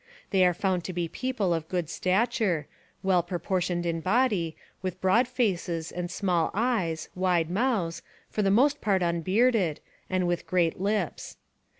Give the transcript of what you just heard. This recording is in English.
They were found to be people of good stature, well proportioned in body, with broad faces and small eyes, wide mouths, for the most part unbearded, and with great lips.